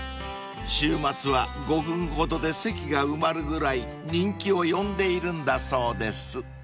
［週末は５分ほどで席が埋まるぐらい人気を呼んでいるんだそうです］